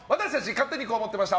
勝手にこう思ってました！